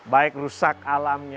baik rusak alam